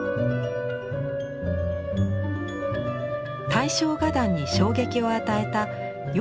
大正画壇に衝撃を与えた萬